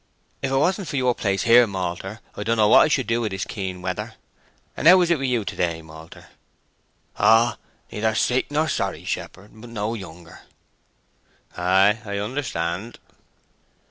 If 'twasn't for your place here, malter, I don't know what I should do i' this keen weather. And how is it with you to day, malter?" "Oh, neither sick nor sorry, shepherd; but no younger." "Ay—I understand."